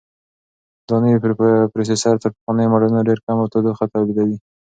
دا نوی پروسیسر تر پخوانیو ماډلونو ډېر کم تودوخه تولیدوي.